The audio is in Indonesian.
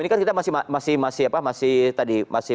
ini kan kita masih